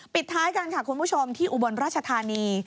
ปิดท้ายกันค่ะคุณผู้ชมที่อุบลราชธานี